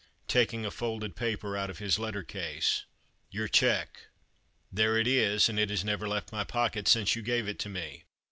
Taking a folded paper out of his letter case, "Your cheque. There it is; and it has never left my pocket since you gave it to me.